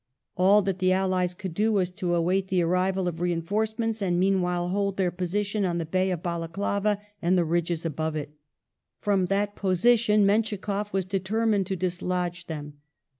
All that the allies could do was to await the arrival of reinforcements, and meanwhile hold their position on the bay of Balaclava and the ridges above it. From that position Menschikoff was detei mined to dislodge them.